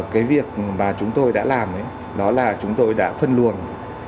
cái việc mà chúng tôi đã làm đó là chúng tôi đã phân luồng